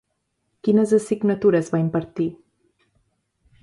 Quines assignatures va impartir?